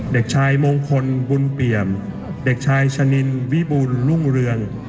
เด็กชายมงคลบุญเปี่ยมเด็กชายชะนินวิบูลรุ่งเรือง